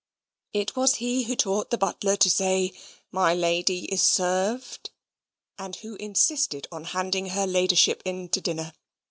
It was he who taught the butler to say, "My lady is served," and who insisted on handing her ladyship in to dinner.